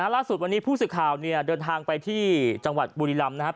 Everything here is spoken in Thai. ล่าสุดวันนี้ผู้สื่อข่าวเดินทางไปที่จังหวัดบุรีรำนะครับ